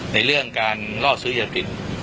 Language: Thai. ในเรื่องการล่อซื้อยาติด